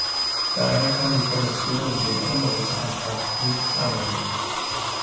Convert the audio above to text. Daher kann die Kommission den Änderungsantrag nicht annehmen.